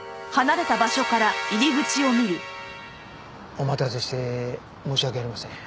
お待たせして申し訳ありません。